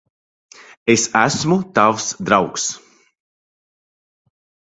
Es esmu tavs draugs.